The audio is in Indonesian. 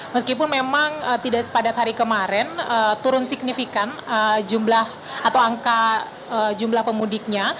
meskipun memang tidak sepadat hari kemarin turun signifikan jumlah atau angka jumlah pemudiknya